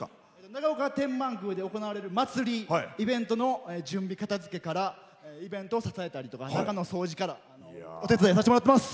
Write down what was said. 長岡天満宮で行われる祭りイベントの準備、片付けからイベントを支えたりとか中の掃除からお手伝いさせてもらっています。